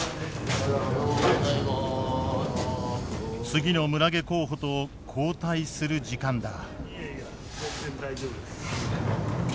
次の村下候補と交代する時間だ。